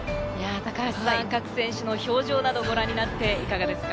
各選手の表情などをご覧になって、いかがですか？